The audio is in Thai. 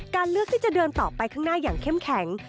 เลือกที่จะเดินต่อไปข้างหน้าอย่างเข้มแข็ง